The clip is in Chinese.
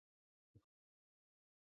与顾炎武是至交。